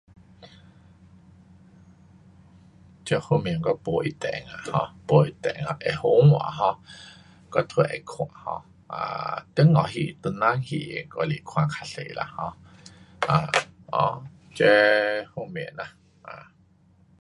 这方面我没一定啊 um 不一定，会好看 um 我都会看。um 啊，中国戏唐人戏我是看较多啦，um 啊，哦，这方面啦。啊。